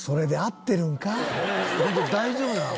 ホント大丈夫なの？